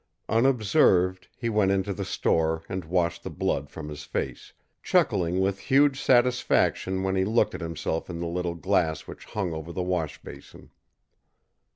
Unobserved, he went into the store and washed the blood from his face, chuckling with huge satisfaction when he looked at himself in the little glass which hung over the wash basin.